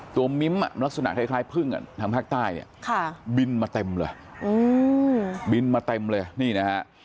ตัวมิ้มลักษณะคล้ายพึ่งทางภาคใต้บินมาเต็มเลย